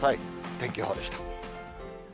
天気予報でした。